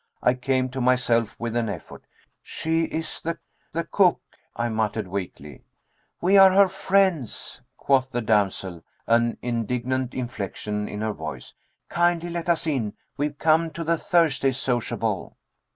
I came to myself with an effort. "She is the the cook," I muttered weakly. "We are her friends," quoth the damsel, an indignant inflection in her voice. "Kindly let us in. We've come to the Thursday sociable."